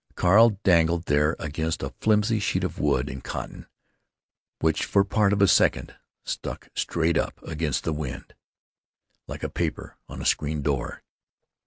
Carl dangled there against a flimsy sheet of wood and cotton, which for part of a second stuck straight up against the wind, like a paper on a screen door.